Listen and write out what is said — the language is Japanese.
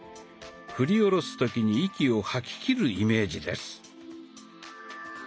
振り下ろす時に息を吐ききるイメージです。